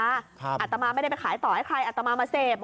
อาตมาไม่ได้ไปขายต่อให้ใครอัตมามาเสพ